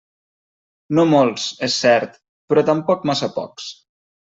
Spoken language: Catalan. No molts, és cert, però tampoc massa pocs.